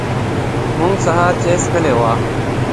موږ سهار چای څښلی و.